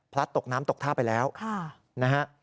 ตกน้ำตกท่าไปแล้วนะฮะ